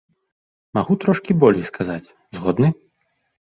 Магу трошкі болей сказаць, згодны?